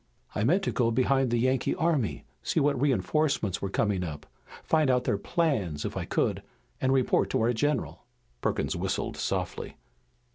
"I meant to go behind the Yankee army, see what reinforcements were coming up, find out their plans, if I could, and report to our general." Perkins whistled softly.